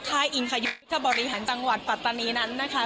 ค่ายอิงคายุถ้าบริหารจังหวัดปรัตนีนั้นนะคะ